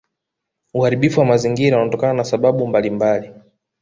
uharibifu wa mazingira unatokana na sababu mbalimbali